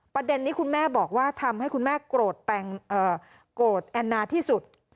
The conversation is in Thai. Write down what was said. ประเด็นนี้คุณแม่บอกว่าทำให้คุณแม่โกรธแอนนาที่สุด